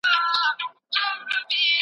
تیاره پیړۍ د جهالت پایله وه.